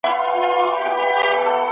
ښوونکی د زدهکوونکو خلاقیت ته وده ورکوي.